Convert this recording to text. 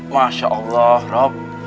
masya allah rob